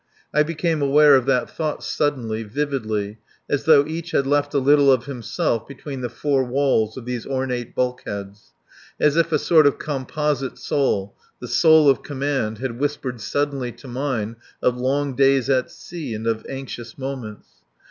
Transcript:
I became aware of that thought suddenly, vividly, as though each had left a little of himself between the four walls of these ornate bulkheads; as if a sort of composite soul, the soul of command, had whispered suddenly to mine of long days at sea and of anxious moments.